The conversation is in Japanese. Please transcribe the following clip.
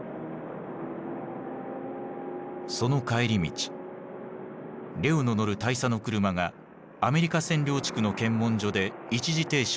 その帰り道レオの乗る大佐の車がアメリカ占領地区の検問所で一時停止をせず通過。